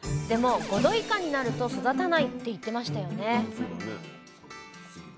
でも５℃以下になると育たないって言ってましたよね？